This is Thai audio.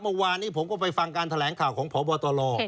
เมื่อวานนี้ผมก็ไปฟังการแถลงข่าวของพบตร